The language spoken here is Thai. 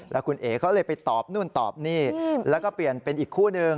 แล้วคุณเอ๋เขาเลยไปตอบนู่นตอบนี่แล้วก็เปลี่ยนเป็นอีกคู่หนึ่ง